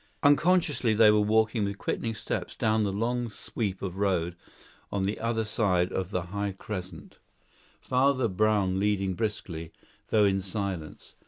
Unconsciously they were walking with quickening steps down the long sweep of road on the other side of the high crescent, Father Brown leading briskly, though in silence.